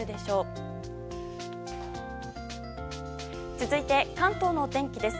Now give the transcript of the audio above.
続いて、関東の天気です。